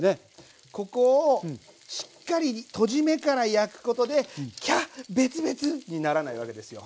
ここをしっかりとじ目から焼くことでキャッベツベツにならないわけですよ。